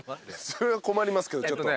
それは困りますけどちょっと。